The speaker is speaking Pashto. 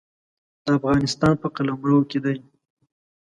د افغانستان په قلمرو کې دی.